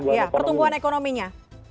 iya pertumbuhan ekonominya